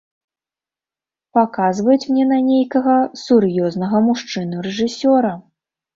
Паказваюць мне на нейкага сур'ёзнага мужчыну-рэжысёра.